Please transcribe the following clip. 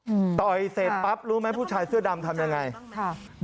อืมต่อยเสร็จปั๊บรู้ไหมผู้ชายเสื้อดำทำยังไงค่ะ